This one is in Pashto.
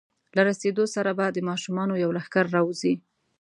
له رسېدو سره به د ماشومانو یو لښکر راوځي.